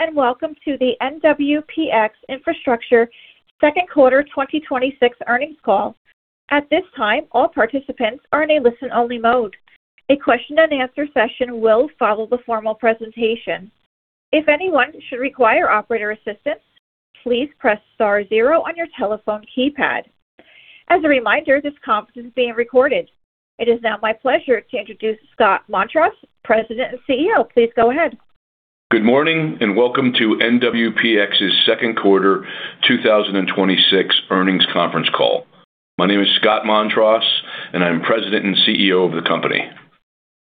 Greetings, welcome to the NWPX Infrastructure Second Quarter 2026 Earnings Call. At this time, all participants are in a listen-only mode. A question and answer session will follow the formal presentation. If anyone should require operator assistance, please press star zero on your telephone keypad. As a reminder, this conference is being recorded. It is now my pleasure to introduce Scott Montross, President and CEO. Please go ahead. Good morning, welcome to NWPX's second quarter 2026 earnings conference call. My name is Scott Montross, and I'm President and CEO of the company.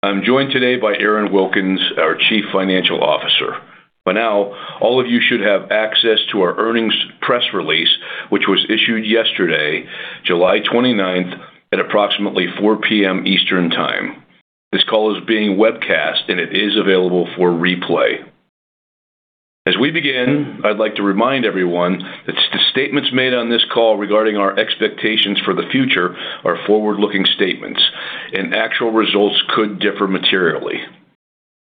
I'm joined today by Aaron Wilkins, our Chief Financial Officer. By now, all of you should have access to our earnings press release, which was issued yesterday, July 29th, at approximately 4:00 P.M. Eastern Time. This call is being webcast, it is available for replay. As we begin, I'd like to remind everyone that the statements made on this call regarding our expectations for the future are forward-looking statements, actual results could differ materially.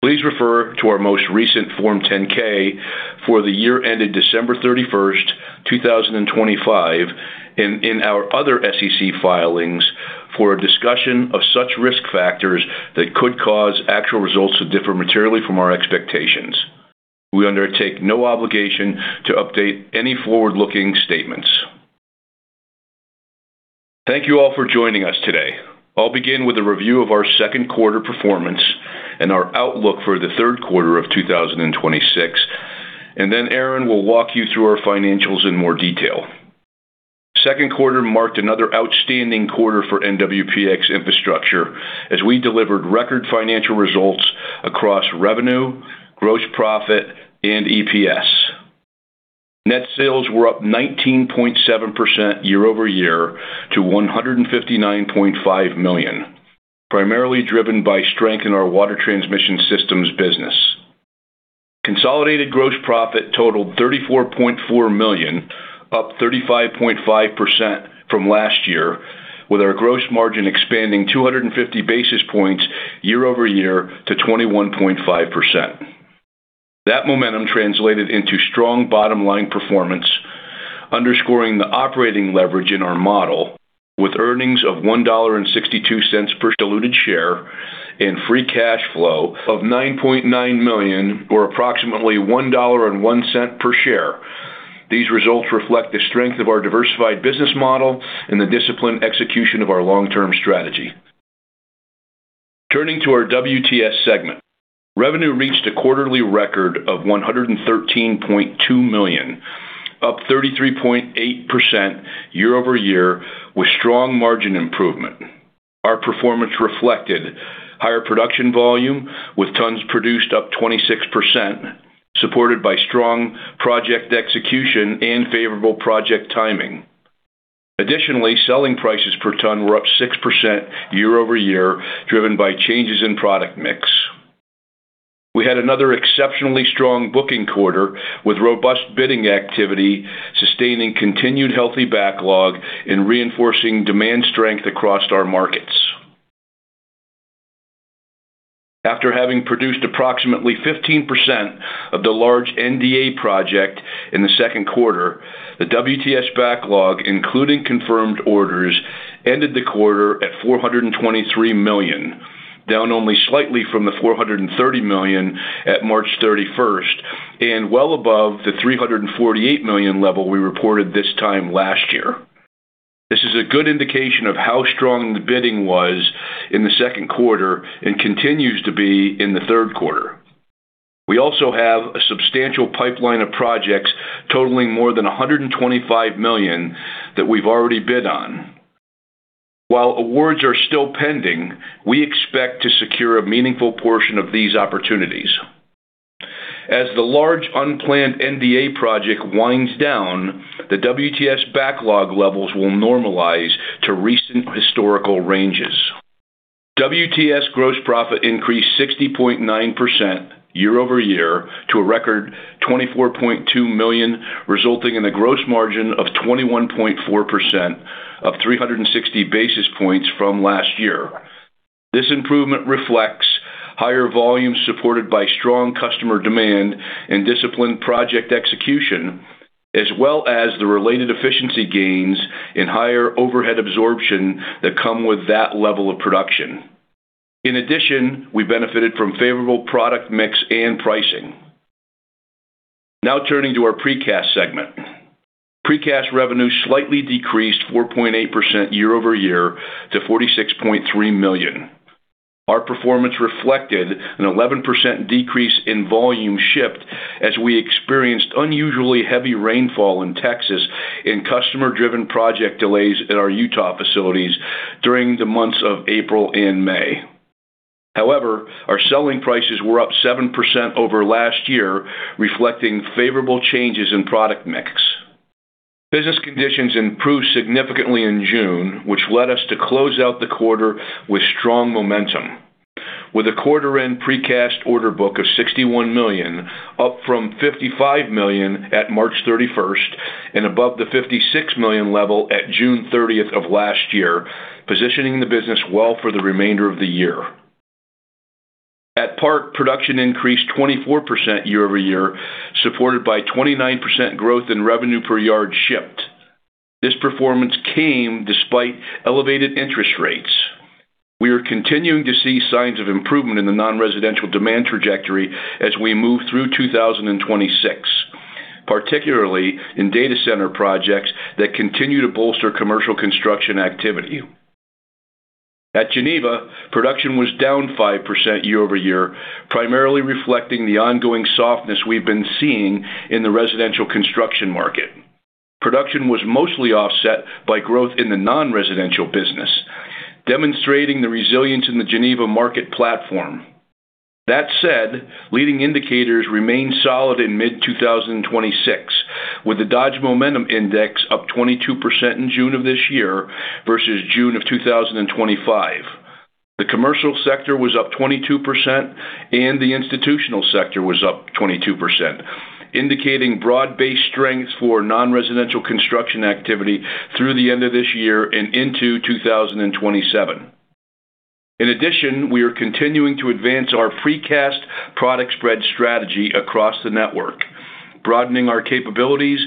Please refer to our most recent Form 10-K for the year ended December 31st, 2025, in our other SEC filings for a discussion of such risk factors that could cause actual results to differ materially from our expectations. We undertake no obligation to update any forward-looking statements. Thank you all for joining us today. I'll begin with a review of our second quarter performance our outlook for the third quarter of 2026, Aaron will walk you through our financials in more detail. Second quarter marked another outstanding quarter for NWPX Infrastructure as we delivered record financial results across revenue, gross profit, and EPS. Net sales were up 19.7% year-over-year to $159.5 million, primarily driven by strength in our Water Transmission Systems business. Consolidated gross profit totaled $34.4 million, up 35.5% from last year, with our gross margin expanding 250 basis points year-over-year to 21.5%. That momentum translated into strong bottom-line performance, underscoring the operating leverage in our model with earnings of $1.62 per diluted share and free cash flow of $9.9 million, or approximately $1.01 per share. These results reflect the strength of our diversified business model the disciplined execution of our long-term strategy. Turning to our WTS segment, revenue reached a quarterly record of $113.2 million, up 33.8% year-over-year, with strong margin improvement. Our performance reflected higher production volume, with tons produced up 26%, supported by strong project execution and favorable project timing. Additionally, selling prices per ton were up 6% year-over-year, driven by changes in product mix. We had another exceptionally strong booking quarter, with robust bidding activity sustaining continued healthy backlog and reinforcing demand strength across our markets. After having produced approximately 15% of the large NDA project in the second quarter, the WTS backlog, including confirmed orders, ended the quarter at $423 million, down only slightly from the $430 million at March 31st and well above the $348 million level we reported this time last year. This is a good indication of how strong the bidding was in the second quarter and continues to be in the third quarter. We also have a substantial pipeline of projects totaling more than $125 million that we've already bid on. While awards are still pending, we expect to secure a meaningful portion of these opportunities. As the large unplanned NDA project winds down, the WTS backlog levels will normalize to recent historical ranges. WTS gross profit increased 60.9% year-over-year to a record $24.2 million, resulting in a gross margin of 21.4%, up 360 basis points from last year. This improvement reflects higher volume supported by strong customer demand and disciplined project execution, as well as the related efficiency gains and higher overhead absorption that come with that level of production. In addition, we benefited from favorable product mix and pricing. Now turning to our Precast segment. Precast revenue slightly decreased 4.8% year-over-year to $46.3 million. Our performance reflected an 11% decrease in volume shipped as we experienced unusually heavy rainfall in Texas and customer-driven project delays at our Utah facilities during the months of April and May. However, our selling prices were up 7% over last year, reflecting favorable changes in product mix. Business conditions improved significantly in June, which led us to close out the quarter with strong momentum. With a quarter-end Precast order book of $61 million, up from $55 million at March 31st and above the $56 million level at June 30th of last year, positioning the business well for the remainder of the year. At Park, production increased 24% year-over-year, supported by 29% growth in revenue per yard shipped. This performance came despite elevated interest rates. We are continuing to see signs of improvement in the non-residential demand trajectory as we move through 2026, particularly in data center projects that continue to bolster commercial construction activity. At Geneva, production was down 5% year-over-year, primarily reflecting the ongoing softness we've been seeing in the residential construction market. Production was mostly offset by growth in the non-residential business, demonstrating the resilience in the Geneva market platform. That said, leading indicators remained solid in mid-2026, with the Dodge Momentum Index up 22% in June of this year versus June of 2025. The commercial sector was up 22% and the institutional sector was up 22%, indicating broad-based strength for non-residential construction activity through the end of this year and into 2027. In addition, we are continuing to advance our Precast product spread strategy across the network, broadening our capabilities,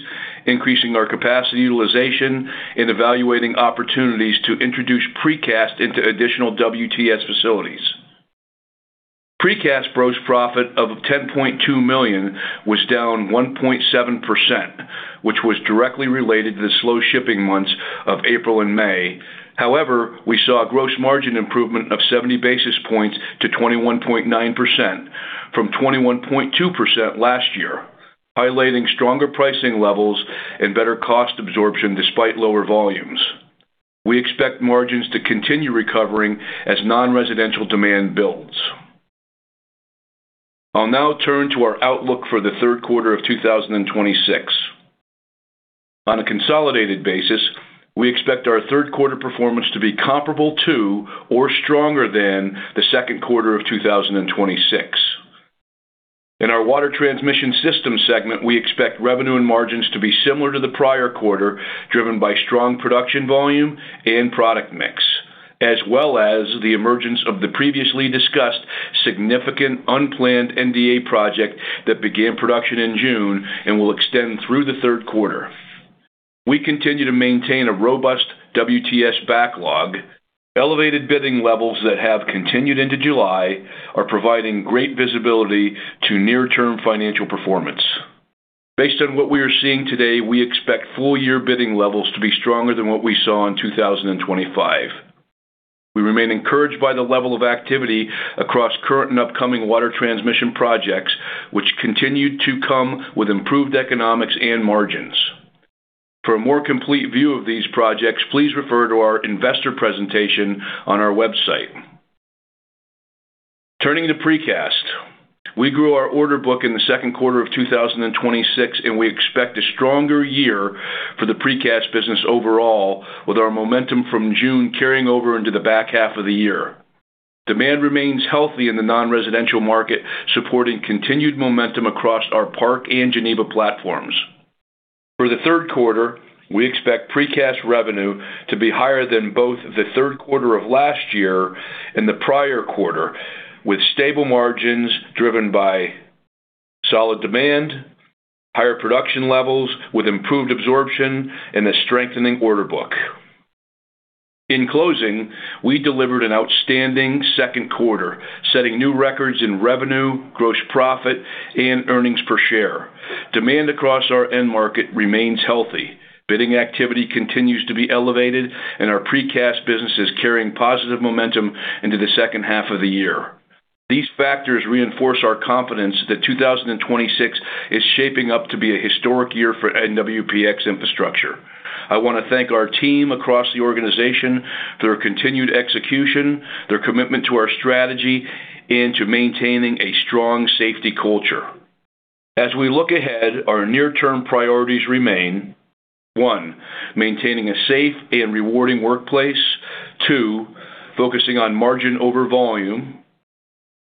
increasing our capacity utilization, and evaluating opportunities to introduce Precast into additional WTS facilities. Precast gross profit of $10.2 million was down 1.7%, which was directly related to the slow shipping months of April and May. However, we saw a gross margin improvement of 70 basis points to 21.9% from 21.2% last year, highlighting stronger pricing levels and better cost absorption despite lower volumes. We expect margins to continue recovering as non-residential demand builds. I'll now turn to our outlook for the third quarter of 2026. On a consolidated basis, we expect our third quarter performance to be comparable to or stronger than the second quarter of 2026. In our Water Transmission Systems segment, we expect revenue and margins to be similar to the prior quarter, driven by strong production volume and product mix, as well as the emergence of the previously discussed significant unplanned NDA project that began production in June and will extend through the third quarter. We continue to maintain a robust WTS backlog. Elevated bidding levels that have continued into July are providing great visibility to near-term financial performance. Based on what we are seeing today, we expect full year bidding levels to be stronger than what we saw in 2025. We remain encouraged by the level of activity across current and upcoming water transmission projects, which continued to come with improved economics and margins. For a more complete view of these projects, please refer to our investor presentation on our website. Turning to precast, we grew our order book in the second quarter of 2026, and we expect a stronger year for the precast business overall, with our momentum from June carrying over into the back half of the year. Demand remains healthy in the non-residential market, supporting continued momentum across our Park and Geneva platforms. For the third quarter, we expect precast revenue to be higher than both the third quarter of last year and the prior quarter, with stable margins driven by solid demand, higher production levels with improved absorption, and a strengthening order book. In closing, we delivered an outstanding second quarter, setting new records in revenue, gross profit and earnings per share. Demand across our end market remains healthy. Bidding activity continues to be elevated and our precast business is carrying positive momentum into the second half of the year. These factors reinforce our confidence that 2026 is shaping up to be a historic year for NWPX Infrastructure. I want to thank our team across the organization for their continued execution, their commitment to our strategy, and to maintaining a strong safety culture. As we look ahead, our near-term priorities remain, one, maintaining a safe and rewarding workplace. Two, focusing on margin over volume.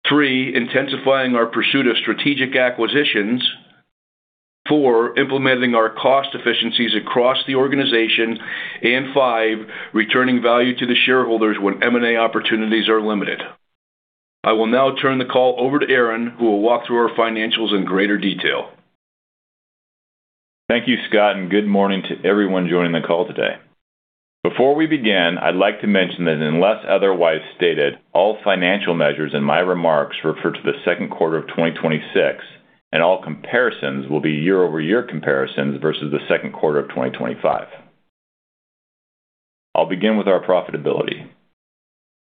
Three, intensifying our pursuit of strategic acquisitions. Four, implementing our cost efficiencies across the organization. And five, returning value to the shareholders when M&A opportunities are limited. I will now turn the call over to Aaron, who will walk through our financials in greater detail. Thank you, Scott, and good morning to everyone joining the call today. Before we begin, I'd like to mention that unless otherwise stated, all financial measures in my remarks refer to the second quarter of 2026, and all comparisons will be year-over-year comparisons versus the second quarter of 2025. I'll begin with our profitability.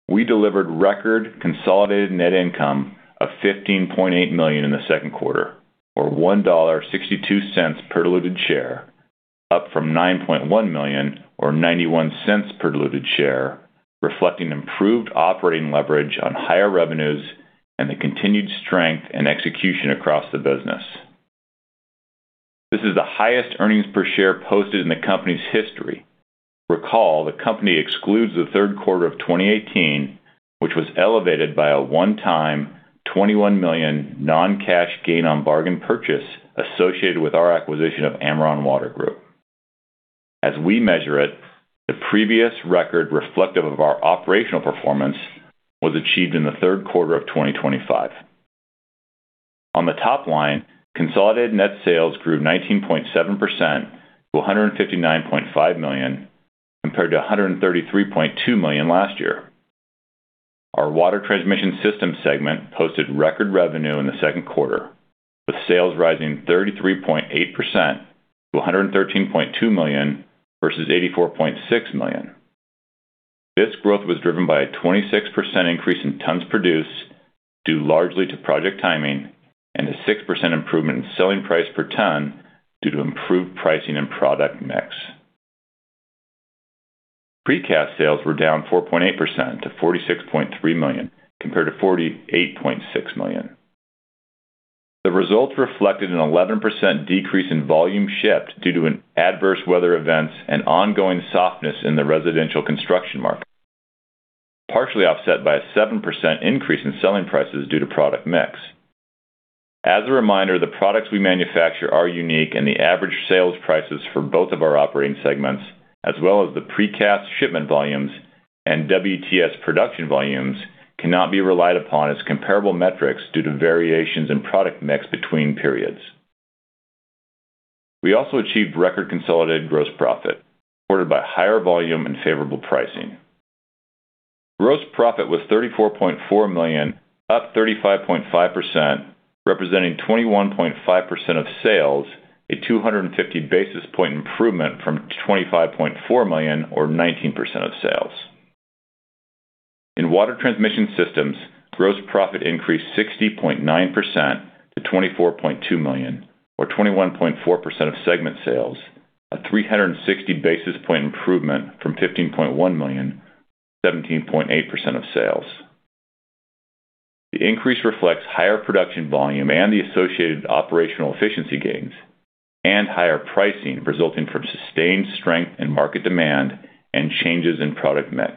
We delivered record consolidated net income of $15.8 million in the second quarter, or $1.62 per diluted share, up from $9.1 million or $0.91 per diluted share, reflecting improved operating leverage on higher revenues and the continued strength and execution across the business. This is the highest earnings per share posted in the company's history. Recall, the company excludes the third quarter of 2018, which was elevated by a 1x $21 million non-cash gain on bargain purchase associated with our acquisition of Ameron Water Transmission Group. As we measure it, the previous record reflective of our operational performance was achieved in the third quarter of 2025. On the top line, consolidated net sales grew 19.7% to $159.5 million, compared to $133.2 million last year. Our Water Transmission Systems segment posted record revenue in the second quarter, with sales rising 33.8% to $113.2 million versus $84.6 million. This growth was driven by a 26% increase in tons produced, due largely to project timing and a 6% improvement in selling price per ton due to improved pricing and product mix. Precast sales were down 4.8% to $46.3 million, compared to $48.6 million. The results reflected an 11% decrease in volume shipped due to adverse weather events and ongoing softness in the residential construction market, partially offset by a 7% increase in selling prices due to product mix. As a reminder, the products we manufacture are unique, and the average sales prices for both of our operating segments, as well as the precast shipment volumes and WTS production volumes, cannot be relied upon as comparable metrics due to variations in product mix between periods. We also achieved record consolidated gross profit, supported by higher volume and favorable pricing. Gross profit was $34.4 million, up 35.5%, representing 21.5% of sales, a 250 basis point improvement from $25.4 million or 19% of sales. In Water Transmission Systems, gross profit increased 60.9% to $24.2 million, or 21.4% of segment sales, a 360 basis points improvement from $15.1 million, 17.8% of sales. The increase reflects higher production volume and the associated operational efficiency gains and higher pricing resulting from sustained strength in market demand and changes in product mix.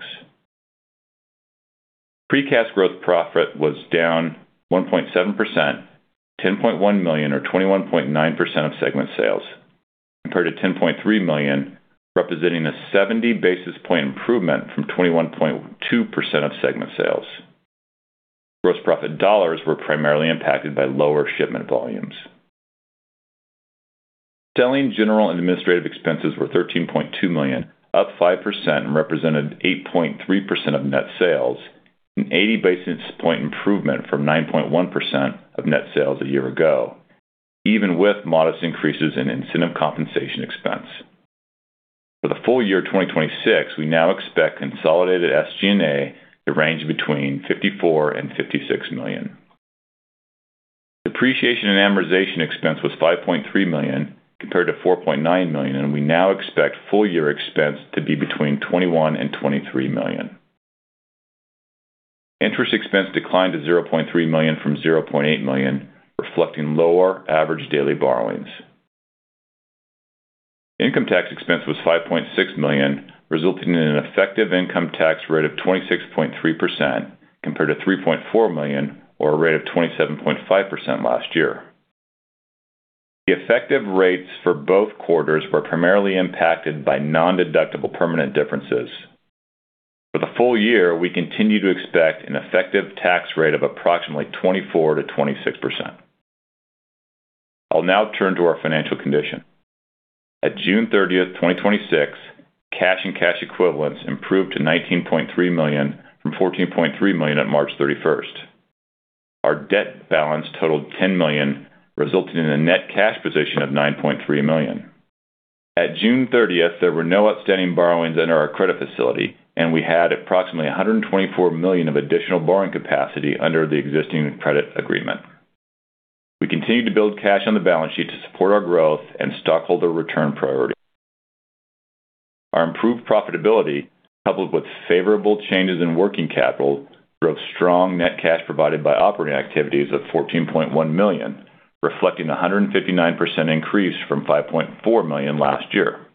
Precast gross profit was down 1.7%, $10.1 million or 21.9% of segment sales, compared to $10.3 million, representing a 70 basis points improvement from 21.2% of segment sales. Gross profit dollars were primarily impacted by lower shipment volumes. Selling, general, and administrative expenses were $13.2 million, up 5% and represented 8.3% of net sales, an 80 basis points improvement from 9.1% of net sales a year ago, even with modest increases in incentive compensation expense. For the full year 2026, we now expect consolidated SG&A to range between $54 million and $56 million. Depreciation and amortization expense was $5.3 million, compared to $4.9 million, and we now expect full year expense to be between $21 million and $23 million. Interest expense declined to $0.3 million from $0.8 million, reflecting lower average daily borrowings. Income tax expense was $5.6 million, resulting in an effective income tax rate of 26.3%, compared to $3.4 million or a rate of 27.5% last year. The effective rates for both quarters were primarily impacted by non-deductible permanent differences. For the full year, we continue to expect an effective tax rate of approximately 24%-26%. I'll now turn to our financial condition. At June 30th, 2026, cash and cash equivalents improved to $19.3 million from $14.3 million on March 31st. Our debt balance totaled $10 million, resulting in a net cash position of $9.3 million. At June 30th, there were no outstanding borrowings under our credit facility, and we had approximately $124 million of additional borrowing capacity under the existing credit agreement. We continue to build cash on the balance sheet to support our growth and stockholder return priority. Our improved profitability, coupled with favorable changes in working capital, drove strong net cash provided by operating activities of $14.1 million, reflecting 159% increase from $5.4 million last year.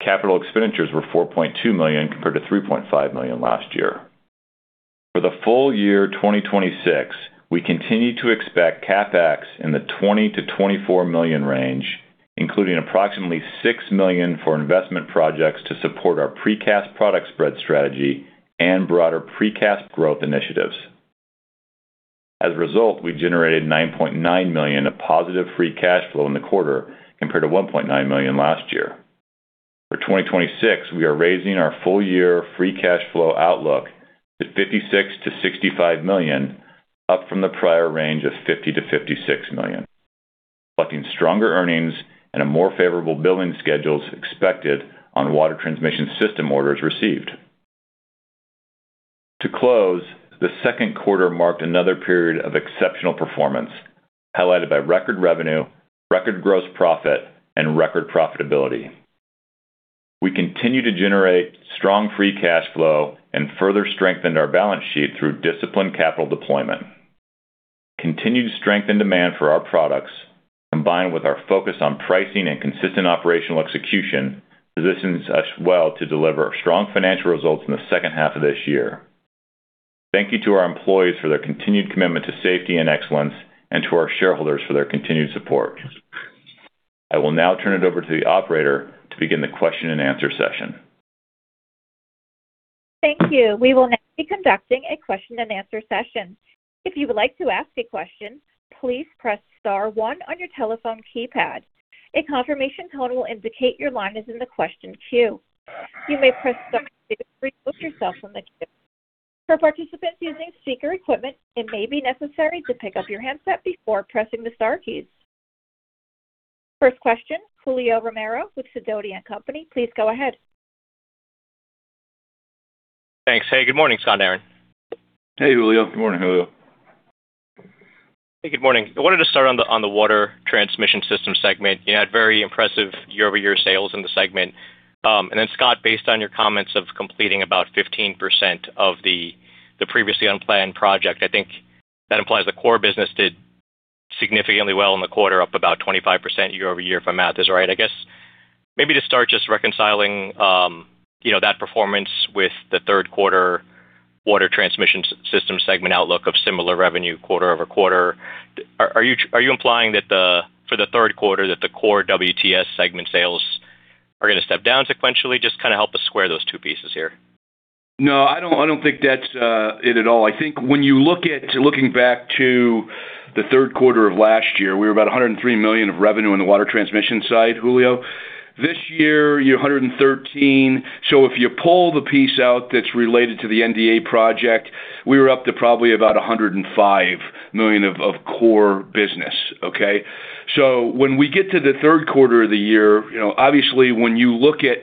Capital expenditures were $4.2 million compared to $3.5 million last year. For the full year 2026, we continue to expect CapEx in the $20 million-$24 million range, including approximately $6 million for investment projects to support our precast product spread strategy and broader precast growth initiatives. As a result, we generated $9.9 million of positive free cash flow in the quarter compared to $1.9 million last year. For 2026, we are raising our full year free cash flow outlook to $56 million-$65 million, up from the prior range of $50 million-$56 million, reflecting stronger earnings and a more favorable billing schedules expected on water transmission system orders received. To close, the second quarter marked another period of exceptional performance, highlighted by record revenue, record gross profit, and record profitability. We continue to generate strong free cash flow and further strengthened our balance sheet through disciplined capital deployment. Continued strength and demand for our products, combined with our focus on pricing and consistent operational execution, positions us well to deliver strong financial results in the second half of this year. Thank you to our employees for their continued commitment to safety and excellence, and to our shareholders for their continued support. I will now turn it over to the operator to begin the question and answer session. Thank you. We will now be conducting a question and answer session. If you would like to ask a question, please press star one on your telephone keypad. A confirmation tone will indicate your line is in the question queue. You may press star two to remove yourself from the queue. For participants using speaker equipment, it may be necessary to pick up your handset before pressing the star keys. First question, Julio Romero with Sidoti & Company, please go ahead. Thanks. Hey, good morning, Scott, Aaron. Hey, Julio. Good morning, Julio. Hey, good morning. I wanted to start on the Water Transmission Systems segment. You had very impressive year-over-year sales in the segment. Then Scott, based on your comments of completing about 15% of the previously unplanned project, I think that implies the core business did significantly well in the quarter, up about 25% year-over-year, if my math is right. Guess maybe to start just reconciling that performance with the third quarter Water Transmission Systems segment outlook of similar revenue quarter-over-quarter. Are you implying that for the third quarter, that the core WTS segment sales are going to step down sequentially? Just kind of help us square those two pieces here. No, I don't think that's it at all. I think when you look back to the third quarter of last year, we were about $103 million of revenue in the water transmission side, Julio. This year, you're $113 million. If you pull the piece out that's related to the NDA project, we were up to probably about $105 million of core business, okay? When we get to the third quarter of the year, obviously when you look at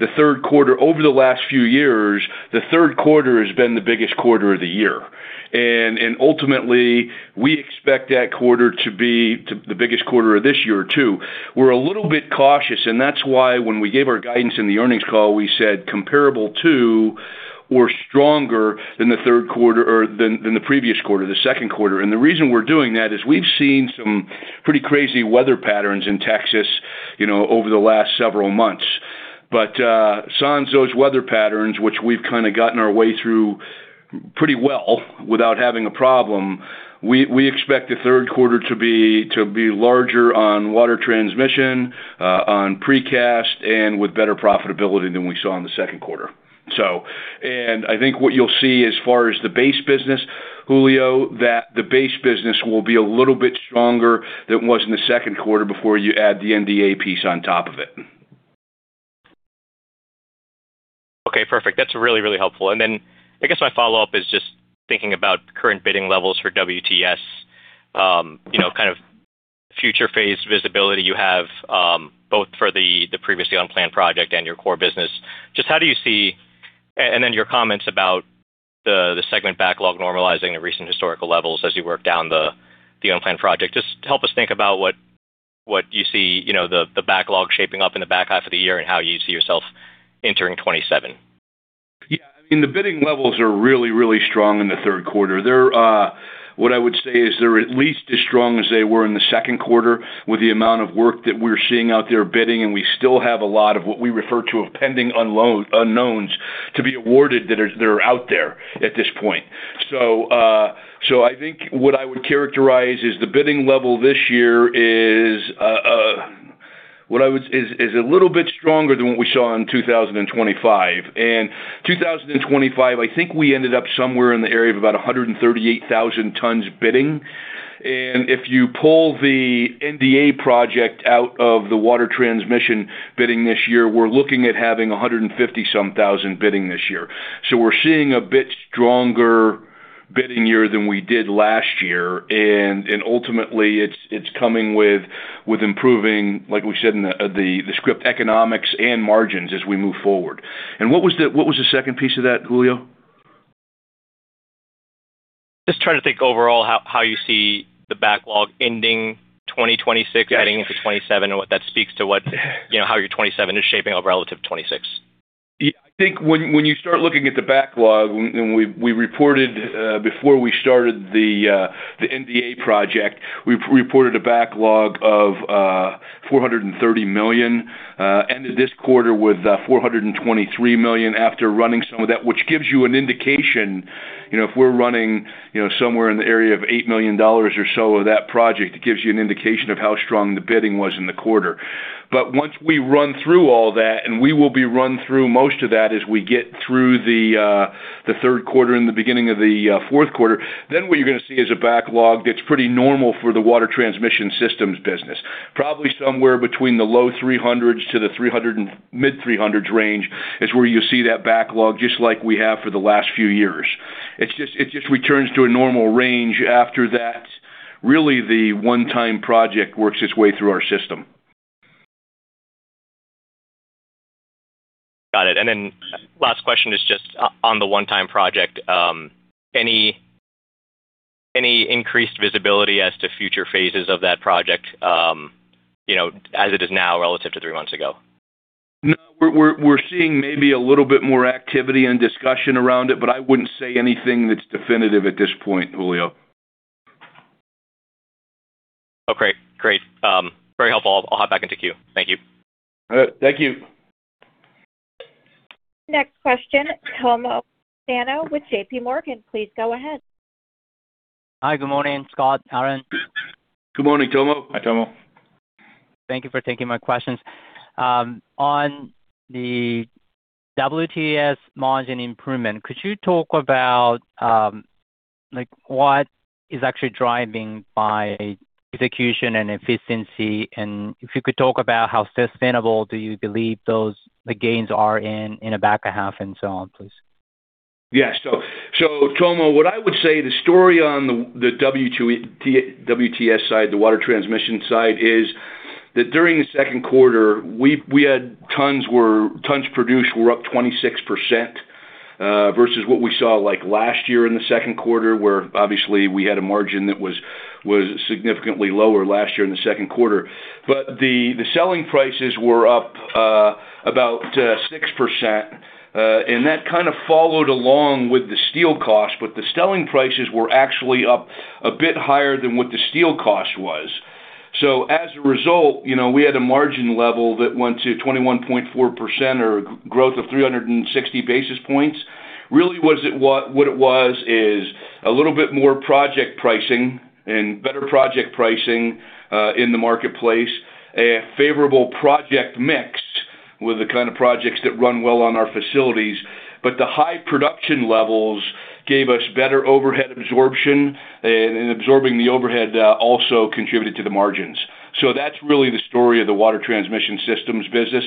the third quarter over the last few years, the third quarter has been the biggest quarter of the year. Ultimately, we expect that quarter to be the biggest quarter of this year, too. We're a little bit cautious, and that's why when we gave our guidance in the earnings call, we said comparable to or stronger than the previous quarter, the second quarter. The reason we're doing that is we've seen some pretty crazy weather patterns in Texas over the last several months. Sans those weather patterns, which we've kind of gotten our way through pretty well without having a problem, we expect the third quarter to be larger on water transmission, on precast, and with better profitability than we saw in the second quarter. I think what you'll see as far as the base business, Julio, that the base business will be a little bit stronger than it was in the second quarter before you add the NDA piece on top of it. Okay, perfect. That's really, really helpful. I guess my follow-up is just thinking about current bidding levels for WTS, kind of future phase visibility you have, both for the previously unplanned project and your core business. Your comments about the segment backlog normalizing at recent historical levels as you work down the unplanned project. Just help us think about what you see, the backlog shaping up in the back half of the year and how you see yourself entering 2027. Yeah. The bidding levels are really, really strong in the third quarter. What I would say is they're at least as strong as they were in the second quarter with the amount of work that we're seeing out there bidding, and we still have a lot of what we refer to as pending unknowns to be awarded that are out there at this point. I think what I would characterize is the bidding level this year is a little bit stronger than what we saw in 2025. 2025, I think we ended up somewhere in the area of about 138,000 tons bidding. If you pull the NDA project out of the water transmission bidding this year, we're looking at having 150 some thousand bidding this year. We're seeing a bit stronger bidding year than we did last year. Ultimately, it's coming with improving, like we said in the script, economics and margins as we move forward. What was the second piece of that, Julio? Just trying to think overall how you see the backlog ending 2026. Yes. Heading into 2027 and what that speaks to how your 2027 is shaping up relative to 2026. Yeah. I think when you start looking at the backlog, before we started the NDA project, we reported a backlog of $430 million. Ended this quarter with $423 million after running some of that, which gives you an indication, if we're running somewhere in the area of $8 million or so of that project, it gives you an indication of how strong the bidding was in the quarter. Once we run through all that, and we will be run through most of that as we get through the third quarter and the beginning of the fourth quarter, what you're going to see is a backlog that's pretty normal for the Water Transmission Systems business. Probably somewhere between the low $300s to the mid $300s range is where you'll see that backlog, just like we have for the last few years. It just returns to a normal range after that, really the one-time project works its way through our system. Got it. Last question is just on the one-time project. Any increased visibility as to future phases of that project, as it is now relative to three months ago? No, we're seeing maybe a little bit more activity and discussion around it, but I wouldn't say anything that's definitive at this point, Julio. Great. Great. Very helpful. I'll hop back into queue. Thank you. All right. Thank you. Next question, Tomo Sano with JPMorgan. Please go ahead. Hi. Good morning, Scott, Aaron. Good morning, Tomo. Hi, Tomo. Thank you for taking my questions. On the WTS margin improvement, could you talk about what is actually driving behind execution and efficiency? If you could talk about how sustainable do you believe the gains are in the back half and so on, please? Tomo, what I would say, the story on the WTS side, the water transmission side, is that during the second quarter, tons produced were up 26% versus what we saw last year in the second quarter, where obviously we had a margin that was significantly lower last year in the second quarter. The selling prices were up about 6%, and that kind of followed along with the steel cost. The selling prices were actually up a bit higher than what the steel cost was. As a result, we had a margin level that went to 21.4% or growth of 360 basis points. Really, what it was, is a little bit more project pricing and better project pricing, in the marketplace. A favorable project mix with the kind of projects that run well on our facilities. The high production levels gave us better overhead absorption, and absorbing the overhead also contributed to the margins. That's really the story of the Water Transmission Systems business,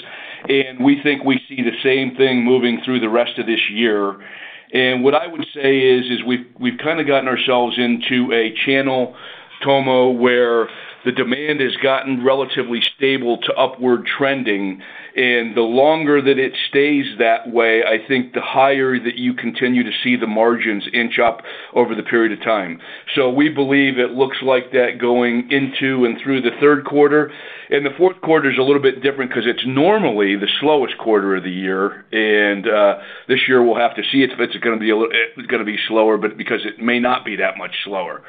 and we think we see the same thing moving through the rest of this year. What I would say is, we've kind of gotten ourselves into a channel, Tomo, where the demand has gotten relatively stable to upward trending. The longer that it stays that way, I think the higher that you continue to see the margins inch up over the period of time. We believe it looks like that going into and through the third quarter. The fourth quarter is a little bit different because it's normally the slowest quarter of the year. This year we'll have to see if it's going to be slower, because it may not be that much slower.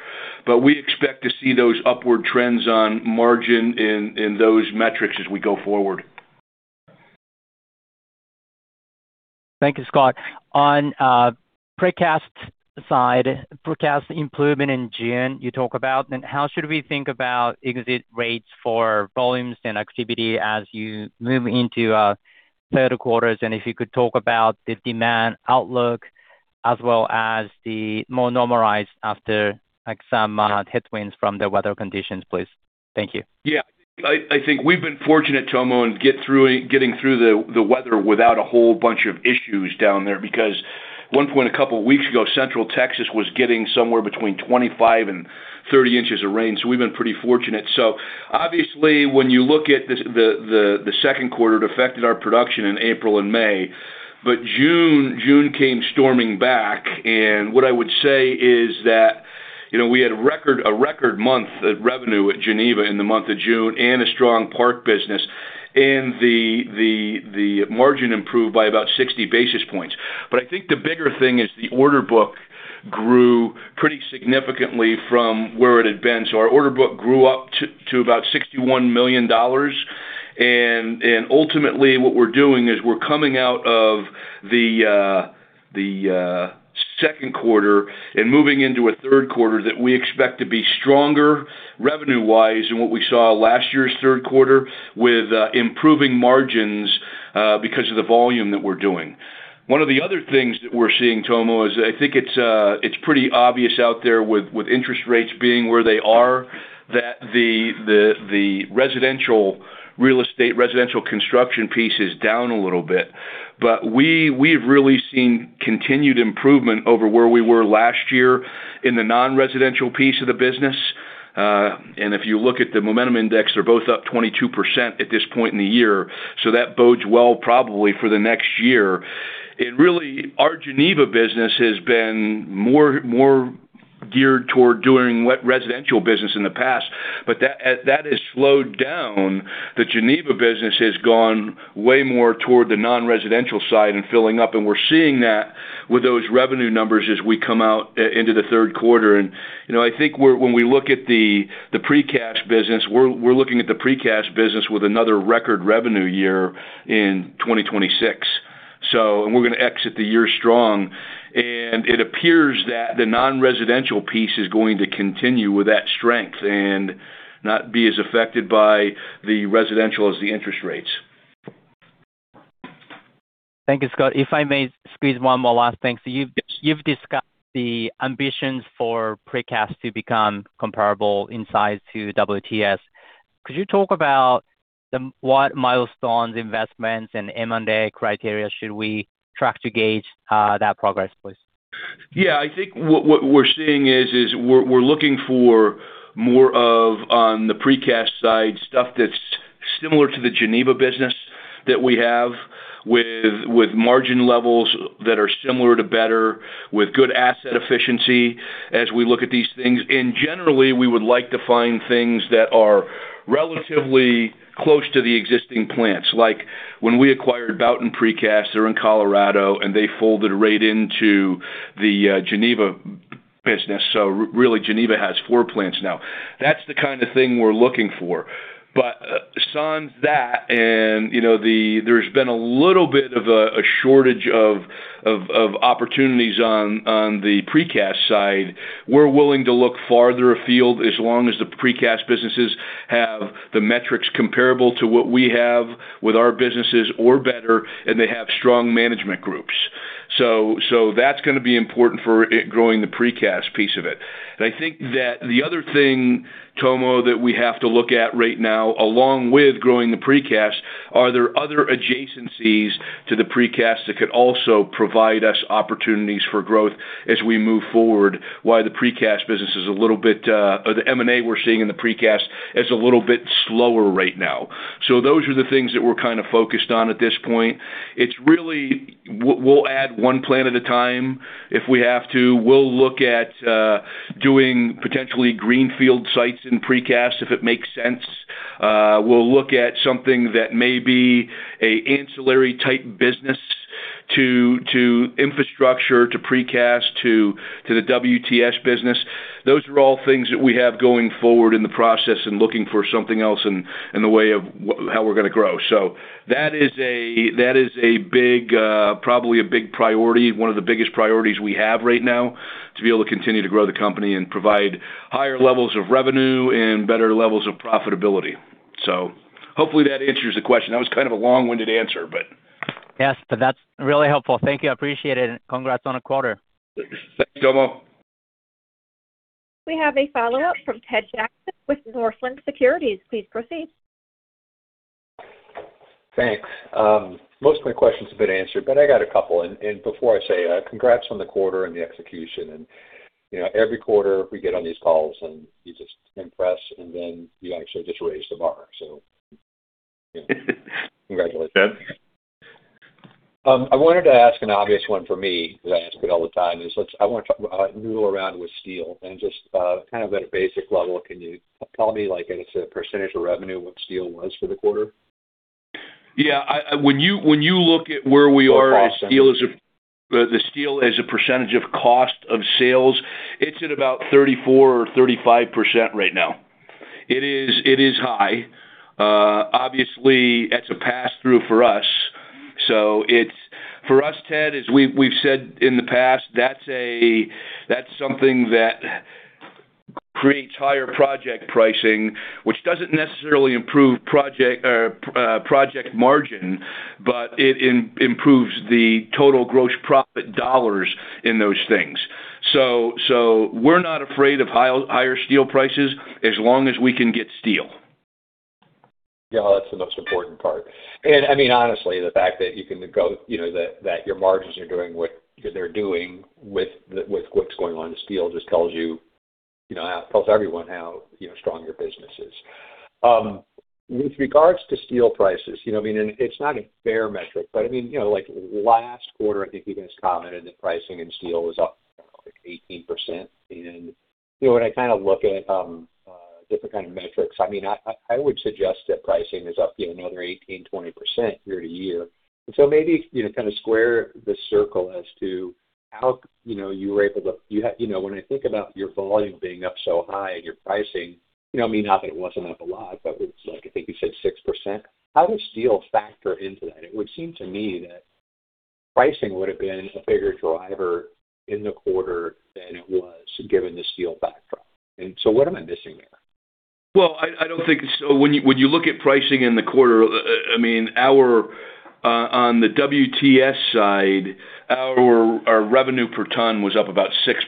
We expect to see those upward trends on margin in those metrics as we go forward. Thank you, Scott. On Precast side, Precast improvement in June, you talk about. How should we think about exit rates for volumes and activity as you move into third quarter? If you could talk about the demand outlook as well as the more normalized after like some headwinds from the weather conditions, please. Thank you. Yeah. I think we've been fortunate, Tomo, in getting through the weather without a whole bunch of issues down there, because at one point a couple of weeks ago, Central Texas was getting somewhere between 25 and 30 inches of rain. We've been pretty fortunate. Obviously, when you look at the second quarter, it affected our production in April and May. June came storming back. What I would say is that we had a record month of revenue at Geneva in the month of June and a strong ParkUSA business. The margin improved by about 60 basis points. I think the bigger thing is the order book grew pretty significantly from where it had been. Our order book grew up to about $61 million. Ultimately, what we're doing is we're coming out of the second quarter and moving into a third quarter that we expect to be stronger revenue-wise than what we saw last year's third quarter, with improving margins because of the volume that we're doing. One of the other things that we're seeing, Tomo, is I think it's pretty obvious out there with interest rates being where they are, that the residential real estate, residential construction piece is down a little bit. We've really seen continued improvement over where we were last year in the non-residential piece of the business. If you look at the Dodge Momentum Index, they're both up 22% at this point in the year. That bodes well probably for the next year. Our Geneva business has been more geared toward doing what residential business in the past. That has slowed down. The Geneva business has gone way more toward the non-residential side and filling up. We're seeing that with those revenue numbers as we come out into the third quarter. I think when we look at the Precast business, we're looking at the Precast business with another record revenue year in 2026. We're going to exit the year strong. It appears that the non-residential piece is going to continue with that strength and not be as affected by the residential as the interest rates. Thank you, Scott. If I may squeeze one more last thing. You've discussed the ambitions for Precast to become comparable in size to WTS. Could you talk about what milestones, investments, and M&A criteria should we track to gauge that progress, please? I think what we're seeing is we're looking for more of on the Precast side, stuff that's similar to the Geneva business that we have with margin levels that are similar to better, with good asset efficiency as we look at these things. Generally, we would like to find things that are relatively close to the existing plants. Like when we acquired Boughton Precast, they're in Colorado, and they folded right into the Geneva business. Really, Geneva has four plants now. That's the kind of thing we're looking for. Sans that, there's been a little bit of a shortage of opportunities on the Precast side. We're willing to look farther afield, as long as the Precast businesses have the metrics comparable to what we have with our businesses or better, and they have strong management groups. That's going to be important for growing the Precast piece of it. I think that the other thing, Tomo, that we have to look at right now, along with growing the Precast, are there other adjacencies to the Precast that could also provide us opportunities for growth as we move forward, why the M&A we're seeing in the Precast is a little bit slower right now. Those are the things that we're kind of focused on at this point. We'll add one plant at a time if we have to. We'll look at doing potentially greenfield sites in Precast if it makes sense. We'll look at something that may be an ancillary type business to infrastructure, to Precast, to the WTS business. Those are all things that we have going forward in the process and looking for something else in the way of how we're going to grow. That is probably a big priority, one of the biggest priorities we have right now, to be able to continue to grow the company and provide higher levels of revenue and better levels of profitability. Hopefully that answers the question. That was kind of a long-winded answer. That's really helpful. Thank you, I appreciate it, and congrats on a quarter. Thanks, Tomo. We have a follow-up from Ted Jackson with Northland Securities. Please proceed. Thanks. Most of my questions have been answered, but I got a couple. Before I say, congrats on the quarter and the execution. Every quarter we get on these calls, and you just impress, and then you actually just raise the bar, so congratulations. Thanks. I wanted to ask an obvious one for me, because I ask it all the time, is I want to noodle around with steel and just kind of at a basic level, can you tell me, like as a percent of revenue, what steel was for the quarter? Yeah. When you look at where we are- Or cost. The steel as a percentage of cost of sales, it's at about 34% or 35% right now. It is high. Obviously, it's a pass-through for us. For us, Ted, as we've said in the past, that's something that creates higher project pricing, which doesn't necessarily improve project margin, but it improves the total gross profit dollars in those things. We're not afraid of higher steel prices as long as we can get steel. Yeah, that's the most important part. I mean, honestly, the fact that your margins are doing what they're doing with what's going on to steel just tells everyone how strong your business is. With regards to steel prices, it's not a fair metric, but last quarter, I think you guys commented that pricing in steel was up, like 18%. When I look at different kind of metrics, I would suggest that pricing is up another 18%, 20% year-to-year. Maybe, kind of square the circle as to when I think about your volume being up so high and your pricing, not that it wasn't up a lot, but it's like, I think you said 6%. How does steel factor into that? It would seem to me that pricing would have been a bigger driver in the quarter than it was given the steel backdrop. What am I missing there? Well, when you look at pricing in the quarter, on the WTS side, our revenue per ton was up about 6%.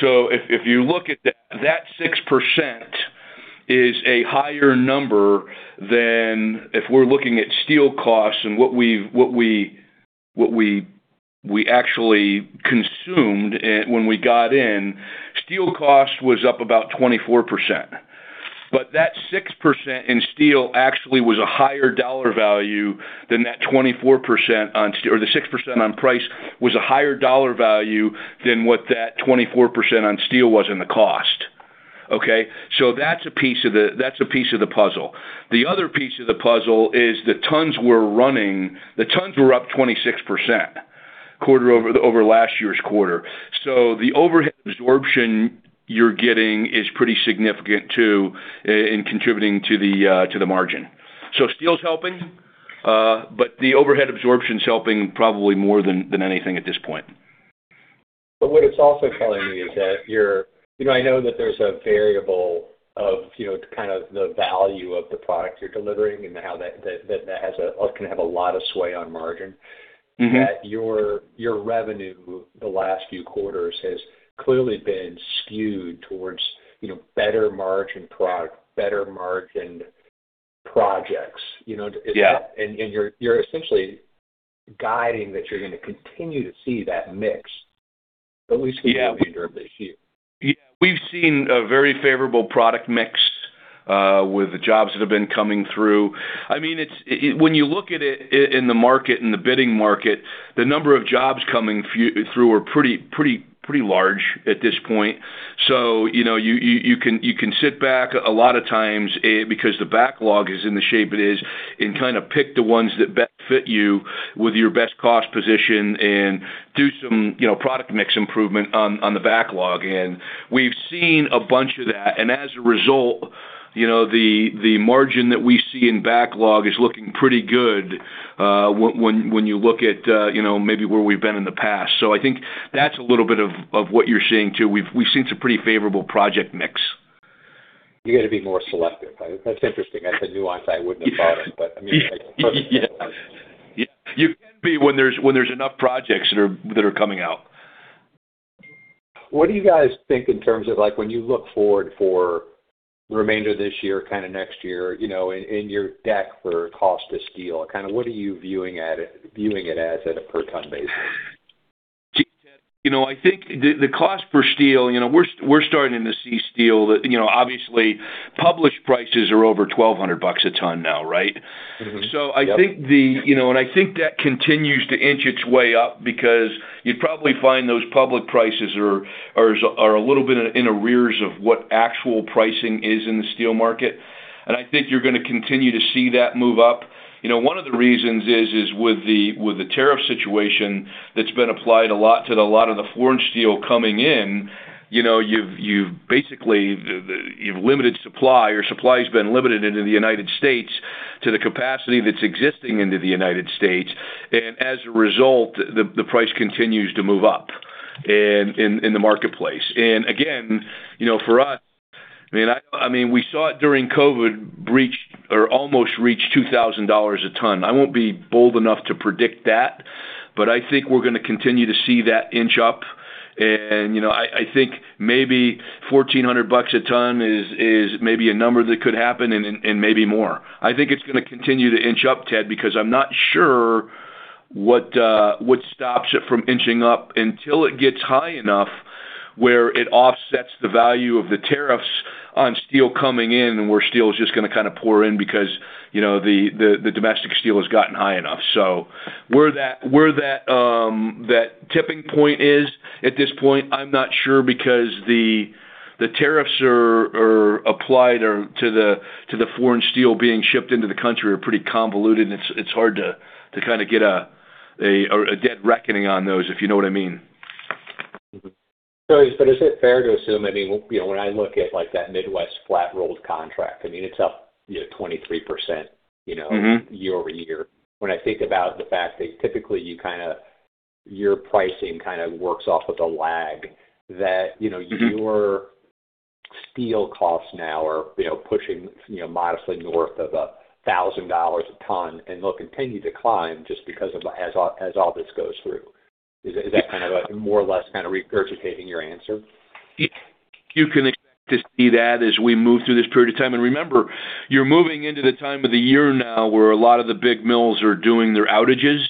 If you look at that 6% is a higher number than if we're looking at steel costs and what we actually consumed when we got in. Steel cost was up about 24%, the 6% on price was a higher dollar value than what that 24% on steel was in the cost. Okay? That's a piece of the puzzle. The other piece of the puzzle is the tons were up 26% over last year's quarter. The overhead absorption you're getting is pretty significant, too, in contributing to the margin. Steel's helping, but the overhead absorption's helping probably more than anything at this point. What it's also telling me is that, I know that there's a variable of kind of the value of the product you're delivering and how that can have a lot of sway on margin. Your revenue the last few quarters has clearly been skewed towards better margin products, better margined projects. Yeah. You're essentially guiding that you're going to continue to see that mix at least. Yeah. Through the end of this year. Yeah. We've seen a very favorable product mix with the jobs that have been coming through. When you look at it in the market, in the bidding market, the number of jobs coming through are pretty large at this point. You can sit back a lot of times because the backlog is in the shape it is, and kind of pick the ones that best fit you with your best cost position and do some product mix improvement on the backlog. We've seen a bunch of that, and as a result, the margin that we see in backlog is looking pretty good, when you look at maybe where we've been in the past. I think that's a little bit of what you're seeing, too. We've seen some pretty favorable project mix. You got to be more selective. That's interesting. That's a nuance I wouldn't have thought of, I mean, like. Yeah. You can be when there's enough projects that are coming out. What do you guys think in terms of when you look forward for the remainder of this year, kind of next year, in your deck for cost of steel, what are you viewing it as at a per ton basis? I think the cost per steel, we're starting to see steel that, obviously, published prices are over $1,200 a ton now, right? Mm-hmm. Yep. I think that continues to inch its way up because you'd probably find those public prices are a little bit in arrears of what actual pricing is in the steel market. I think you're going to continue to see that move up. One of the reasons is with the tariff situation that's been applied a lot to a lot of the foreign steel coming in. You've basically limited supply, or supply's been limited into the United States to the capacity that's existing into the United States. As a result, the price continues to move up in the marketplace. Again, for us, we saw it during COVID almost reach $2,000 a ton. I won't be bold enough to predict that, but I think we're going to continue to see that inch up. I think maybe $1,400 a ton is maybe a number that could happen, and maybe more. I think it's going to continue to inch up, Ted, because I'm not sure what stops it from inching up until it gets high enough where it offsets the value of the tariffs on steel coming in, and where steel's just going to kind of pour in because the domestic steel has gotten high enough. Where that tipping point is at this point, I'm not sure because the tariffs applied to the foreign steel being shipped into the country are pretty convoluted, and it's hard to kind of get a dead reckoning on those, if you know what I mean. Mm-hmm. Is it fair to assume, when I look at that Midwest flat rolled contract, it's up 23% year-over-year. When I think about the fact that typically your pricing kind of works off with a lag that your steel costs now are pushing modestly north of $1,000 a ton and they'll continue to climb just because of as all this goes through. Is that kind of more or less regurgitating your answer? You can expect to see that as we move through this period of time. Remember, you're moving into the time of the year now where a lot of the big mills are doing their outages.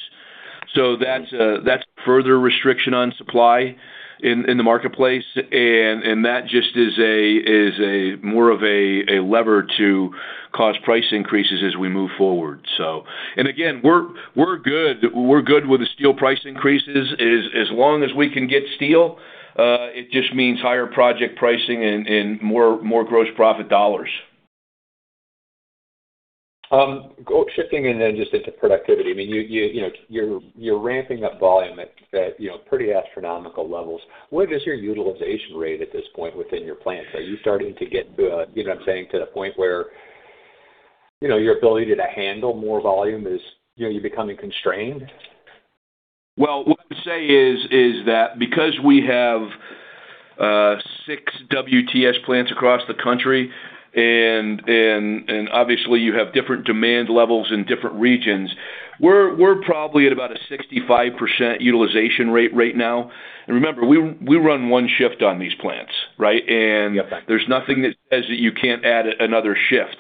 That's a further restriction on supply in the marketplace, and that just is more of a lever to cause price increases as we move forward. Again, we're good with the steel price increases as long as we can get steel. It just means higher project pricing and more gross profit dollars. Shifting just into productivity. You're ramping up volume at pretty astronomical levels. What is your utilization rate at this point within your plants? Are you starting to get to a point where your ability to handle more volume is becoming constrained? Well, what I'd say is that because we have six WTS plants across the country, and obviously you have different demand levels in different regions, we're probably at about a 65% utilization rate right now. Remember, we run one shift on these plants, right? Yep. There's nothing that says that you can't add another shift.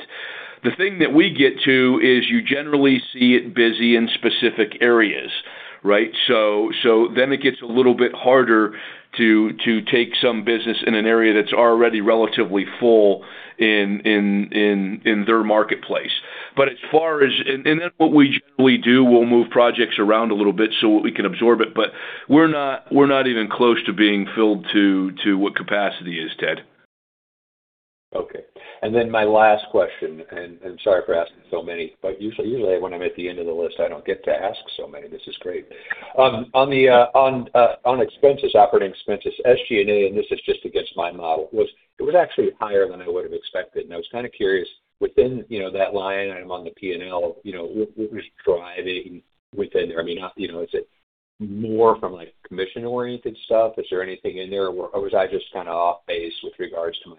The thing that we get to is you generally see it busy in specific areas, right? It gets a little bit harder to take some business in an area that's already relatively full in their marketplace. What we generally do, we'll move projects around a little bit so we can absorb it, but we're not even close to being filled to what capacity is, Ted. Okay. My last question, and sorry for asking so many, but usually when I'm at the end of the list, I don't get to ask so many. This is great. On operating expenses, SG&A, this is just against my model, it was actually higher than I would've expected, and I was kind of curious within that line item on the P&L, what was driving within there? Is it more from commission oriented stuff? Is there anything in there, or was I just kind of off base with regards to my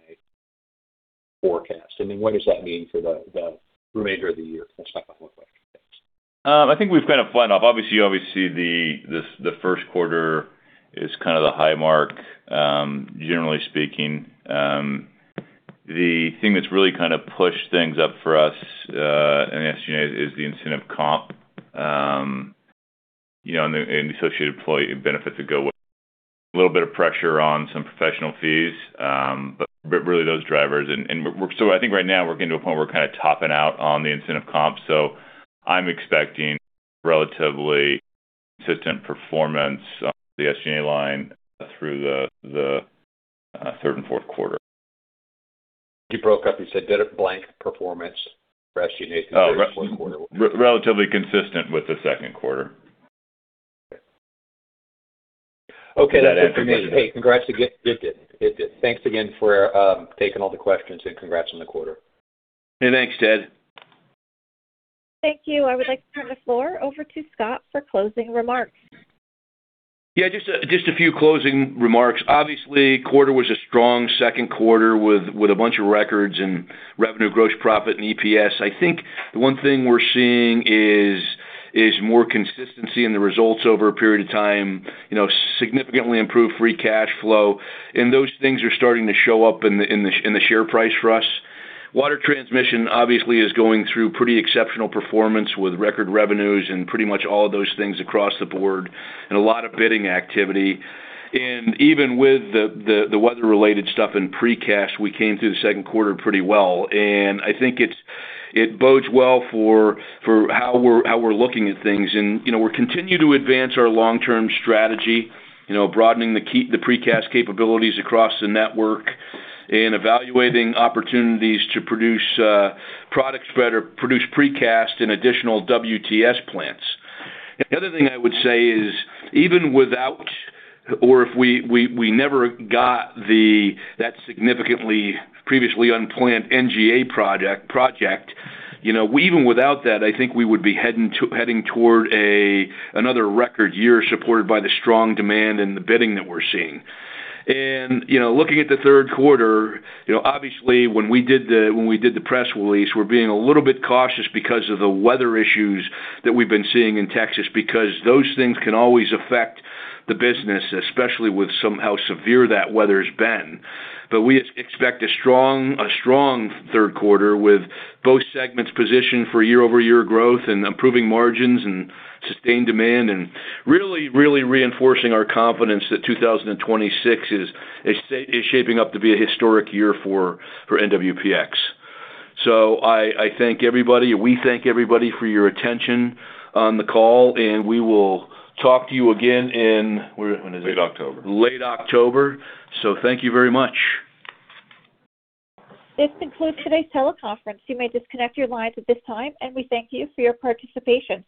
forecast? What does that mean for the remainder of the year? What's that going to look like? I think we've kind of flattened off. Obviously, the first quarter is kind of the high mark, generally speaking. The thing that's really kind of pushed things up for us in SG&A is the incentive comp, and the associated employee benefits that go with it. A little bit of pressure on some professional fees. Really those drivers. I think right now we're getting to a point where we're kind of topping out on the incentive comp. I'm expecting relatively Consistent performance on the SGA line through the third and fourth quarter. You broke up. You said blank performance for SGA through third and fourth quarter. Relatively consistent with the second quarter. Okay. That's good for me. Hey, congrats. It did. Thanks again for taking all the questions and congrats on the quarter. Hey, thanks, Ted. Thank you. I would like to turn the floor over to Scott for closing remarks. Yeah, just a few closing remarks. Obviously, quarter was a strong second quarter with a bunch of records in revenue, gross profit, and EPS. I think the one thing we're seeing is more consistency in the results over a period of time, significantly improved free cash flow. Those things are starting to show up in the share price for us. Water transmission, obviously, is going through pretty exceptional performance with record revenues and pretty much all of those things across the board and a lot of bidding activity. Even with the weather-related stuff in precast, we came through the second quarter pretty well, and I think it bodes well for how we're looking at things. We're continuing to advance our long-term strategy, broadening the precast capabilities across the network and evaluating opportunities to produce precast in additional WTS plants. The other thing I would say is, even without, or if we never got that significantly previously unplanned NDA project, even without that, I think we would be heading toward another record year supported by the strong demand and the bidding that we're seeing. Looking at the third quarter, obviously, when we did the press release, we're being a little bit cautious because of the weather issues that we've been seeing in Texas, because those things can always affect the business, especially with how severe that weather's been. We expect a strong third quarter with both segments positioned for year-over-year growth and improving margins and sustained demand, really reinforcing our confidence that 2026 is shaping up to be a historic year for NWPX. I thank everybody. We thank everybody for your attention on the call. We will talk to you again in When is it? Late October. Late October. Thank you very much. This concludes today's teleconference. You may disconnect your lines at this time, and we thank you for your participation.